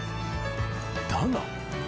だが。